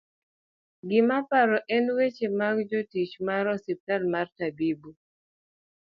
gimaparo en weche mag jotich mar ospital mar Tabibu